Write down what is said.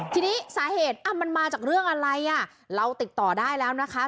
ทีนี้สาเหตุมันมาจากเรื่องอะไรอ่ะเราติดต่อได้แล้วนะคะ